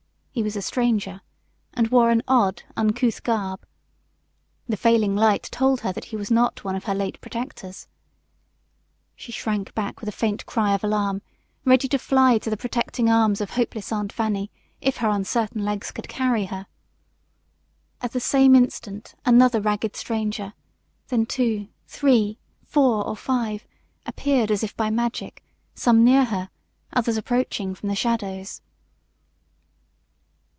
He was a stranger, and wore an odd, uncouth garb. The failing light told her that he was not one of her late protectors. She shrank back with a faint cry of alarm, ready to fly to the protecting arms of hopeless Aunt Fanny if her uncertain legs could carry her. At the same instant another ragged stranger, then two, three, four, or five, appeared as if by magic, some near her, others approaching from the shadows.